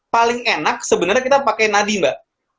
paling enak sebenarnya kita pakai nadi mbak